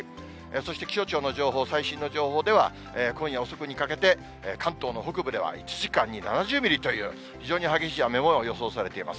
そして気象庁の情報、最新の情報では、今夜遅くにかけて、関東の北部では１時間に７０ミリという、非常に激しい雨も予想されています。